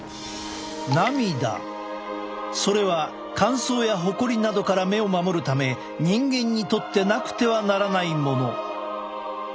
それは乾燥やホコリなどから目を守るため人間にとってなくてはならないもの。